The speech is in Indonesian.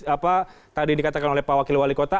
apa tadi yang dikatakan oleh pak wakil wali kota